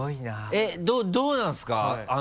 えっどうなんですか？